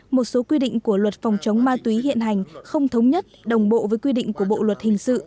một số quy định của luật phòng chống ma túy hiện hành không thống nhất đồng bộ với quy định của bộ luật hình sự